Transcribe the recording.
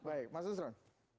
baik mas nusron